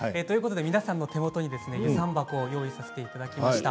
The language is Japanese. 皆さんの手元にも遊山箱を用意させていただきました。